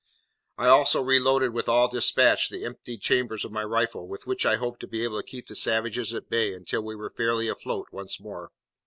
I also reloaded with all despatch the emptied chambers of my rifle, with which I hoped to be able to keep the savages at bay until we were fairly afloat once more.